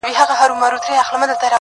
په بل اور ده څه پروا د سمندرو؛